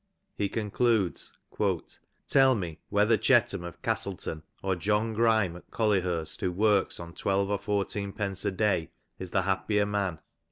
He concludes :' Tell me whether Chetham of Gastleton, or John Orime at Oollyhurst ' who worku on twelve or fourteen pence a day, is the happier man